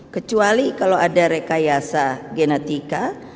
kecuali kalau ada rekayasa genetika